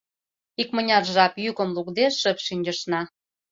Икмыняр жап йӱкым лукде шып шинчышна.